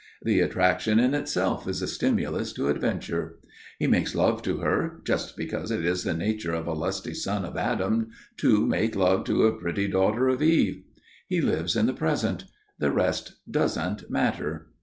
The attraction in itself is a stimulus to adventure. He makes love to her, just because it is the nature of a lusty son of Adam to make love to a pretty daughter of Eve. He lives in the present. The rest doesn't matter.